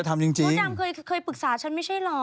คุณจามเคยปรึกษาฉันไม่ใช่หรอ